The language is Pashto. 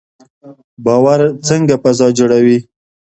باور څنګه فضا جوړوي؟